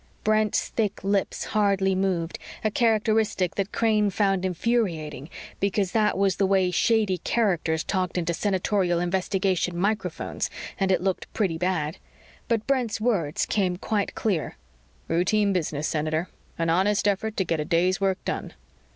Brent's thick lips hardly moved, a characteristic that Crane found infuriating because that was the way shady characters talked into Senatorial investigation microphones and it looked pretty bad. But Brent's words came quite clear: "Routine business, Senator an honest effort to get a day's work done."